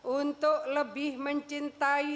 untuk lebih mencintai